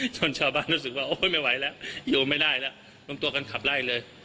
ชาวบ้านรู้สึกว่าโอ๊ยไม่ไหวแล้วโยมไม่ได้แล้วรวมตัวกันขับไล่เลย